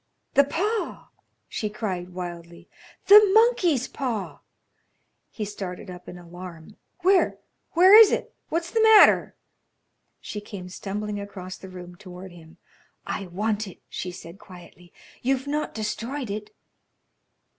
"The paw!" she cried wildly. "The monkey's paw!" He started up in alarm. "Where? Where is it? What's the matter?" She came stumbling across the room toward him. "I want it," she said, quietly. "You've not destroyed it?"